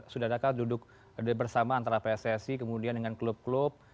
sudah adakah duduk bersama antara pssi kemudian dengan klub klub